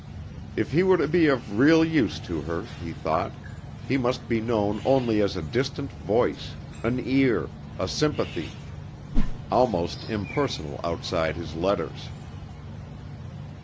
If he were to be of real use to her, he thought, he must be known only as a distant Voice, an Ear, a Sympathy, almost impersonal outside his letters.